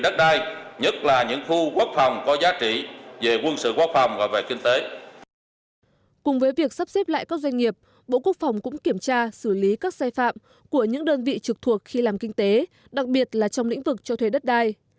cùng với việc sắp xếp lại các doanh nghiệp bộ quốc phòng cũng kiểm tra xử lý các sai phạm của những đơn vị trực thuộc khi làm kinh tế đặc biệt là trong lĩnh vực cho thuê đất đai